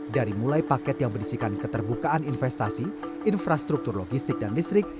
dari mulai paket yang berisikan keterbukaan investasi infrastruktur logistik dan listrik